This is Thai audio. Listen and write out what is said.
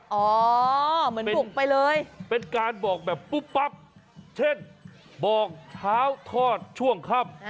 เหมือนบุกไปเลยเป็นการบอกแบบปุ๊บปั๊บเช่นบอกเช้าทอดช่วงค่ำ